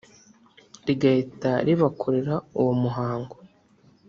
rigahita ribakorera uwo muhango